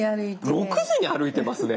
６時に歩いてますね！